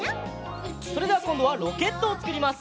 それじゃこんどはロケットをつくります。